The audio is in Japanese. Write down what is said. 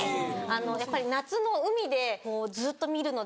やっぱり夏の海でずっと見るので。